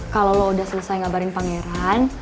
kalau lo udah selesai ngabarin pangeran